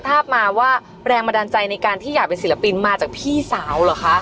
ทราบมาว่าแรงบันดาลใจในการที่อยากเป็นศิลปินมาจากพี่สาวเหรอคะ